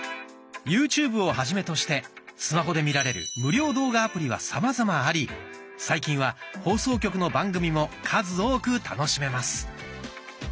「ＹｏｕＴｕｂｅ」をはじめとしてスマホで見られる無料動画アプリはさまざまあり最近は放送局の番組も数多く楽しめます。